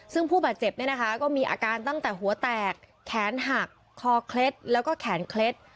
ซึ่งผู้บาดเจ็บเนี่ยนะคะก็มีอาการตั้งแต่หัวแตกแขนหักคอเคล็ดแล้วก็แขนเคล็ด